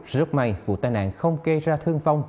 rất may vụ tai nạn không gây ra thương vong